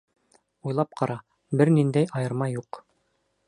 Уйлап ҡара, бер ниндәй айырма юҡ.